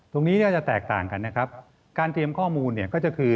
อ๋อตรงนี้จะแตกต่างกันนะครับการเตรียมข้อมูลก็จะคือ